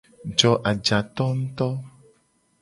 Jo ajato nguto.